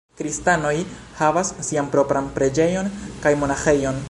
Kristanoj havas sian propran preĝejon kaj monaĥejon.